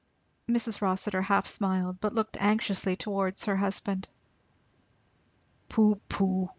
Mrs. Rossitur half smiled, but looked anxiously towards her husband. "Pooh, pooh!